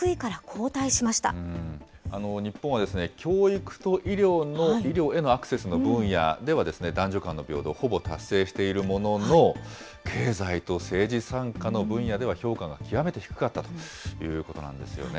日本は教育と医療へのアクセスの分野では、男女間の平等ほぼ達成しているものの、経済と政治参加の分野では評価が極めて低かったということなんですよね。